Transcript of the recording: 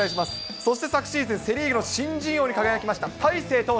そして昨シーズン、セ・リーグの新人王に輝きました、大勢投手。